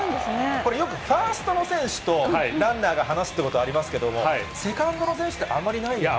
これよく、ファーストの選手とランナーが話すということはありますけども、セカンドの選手ってあまりないですね。